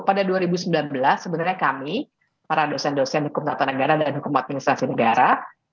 pada dua ribu sembilan belas sebenarnya kami para dosen dosen hukum tata negara dan hukum administrasi negara